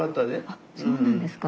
あっそうなんですか。